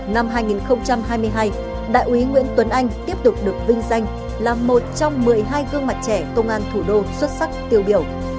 năm hai nghìn hai mươi hai đại úy nguyễn tuấn anh tiếp tục được vinh danh là một trong một mươi hai gương mặt trẻ công an thủ đô xuất sắc tiêu biểu